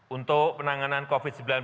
untuk penanganan covid sembilan belas